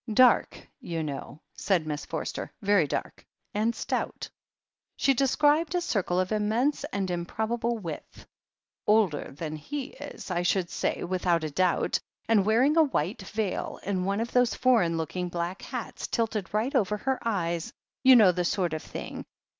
"Dark, you know," said Miss Forster. "Very dark — and stout." She described a circle of immense and improbable width. "Older than he is, I should say — ^without a doubt. And wearing a white veil, and one of those foreign looking black hats tilted right over her eyes — you know the sort of thing.